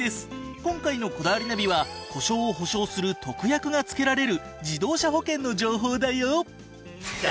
今回の『こだわりナビ』は故障を補償する特約が付けられる自動車保険の情報だよ。